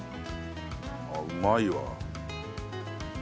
あっうまいわ。